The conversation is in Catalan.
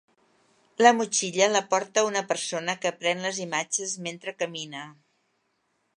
La motxilla la porta una persona que pren les imatges mentre camina.